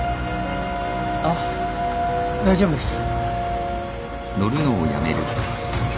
あっ大丈夫です。